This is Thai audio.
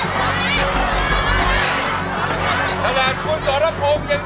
เขาจะร้องได้หรือร้องผิดครับ